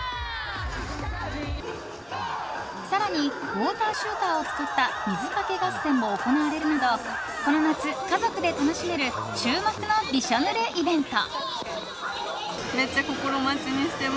更に、ウォーター・シューターを使った水かけ合戦も行われるなどこの夏、家族で楽しめる注目のびしょぬれイベント。